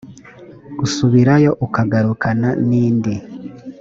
usubirayo ukagarukana n indi